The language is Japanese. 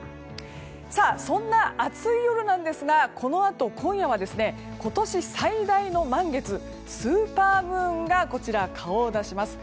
さあ、そんな暑い夜なんですがこのあと今夜は今年最大の満月スーパームーンが顔を出します。